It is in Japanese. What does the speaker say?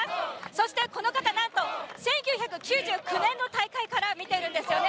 そして、この方なんと１９９９年の大会から見ているんですよね。